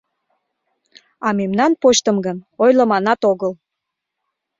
А мемнан почтым гын ойлыманат огыл.